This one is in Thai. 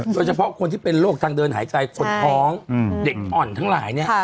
โดยเฉพาะคนที่เป็นโรคทางเดินหายใจคนท้องเด็กอ่อนทั้งหลายเนี่ย